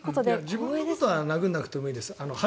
自分のことは殴らなくていいです。